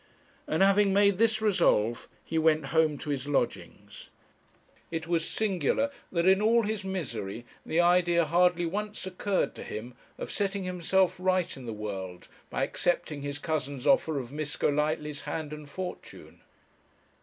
And having made this resolve he went home to his lodgings. It was singular that in all his misery the idea hardly once occurred to him of setting himself right in the world by accepting his cousin's offer of Miss Golightly's hand and fortune.